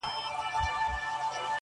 اروا مي مستانه لکه منصور دی د ژوند~